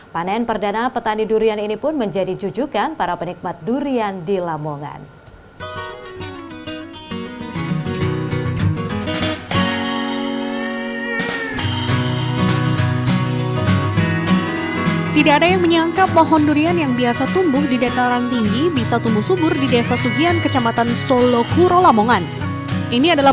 panen perdana petani durian ini pun menjadi jujukan para penikmat durian di lamongan